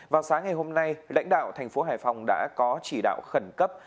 vào sáng ngày hôm nay lãnh đạo tp hải phòng đã có chỉ đạo khẩn cấp